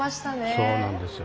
そうなんですよ。